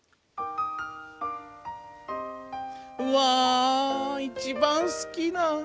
うわ一番好きな。